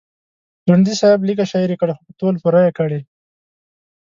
ځونډي صاحب لیږه شاعري کړې خو په تول پوره یې کړې.